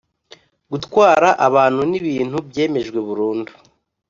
gutwara abantu n ibintu byemejwe burundu